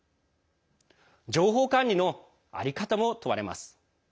情報管理の在り方も問われます。